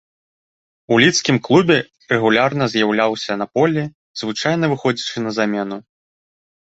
У лідскім клубе рэгулярна з'яўляўся на полі, звычайна выходзячы на замену.